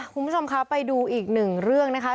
คุณผู้ชมคะไปดูอีกหนึ่งเรื่องนะคะ